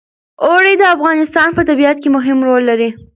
اوړي د افغانستان په طبیعت کې مهم رول لري.